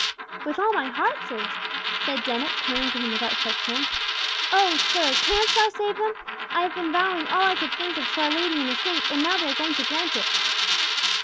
"With all my heart, sir," said Dennet, coming to him with outstretched hands. "Oh! sir, canst thou save them? I have been vowing all I could think of to our Lady and the saints, and now they are going to grant it!"